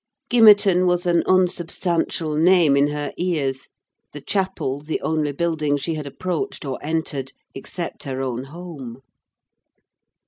Gimmerton was an unsubstantial name in her ears; the chapel, the only building she had approached or entered, except her own home.